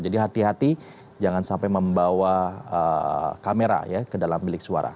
jadi hati hati jangan sampai membawa kamera ya ke dalam bilik suara